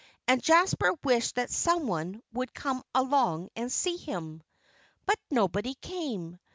And Jasper wished that someone would come along and see him. But nobody came.